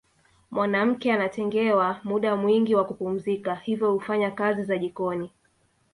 Mwanamke anatengewa muda mwingi wa kupumzika hivyo hufanya kazi za jikoni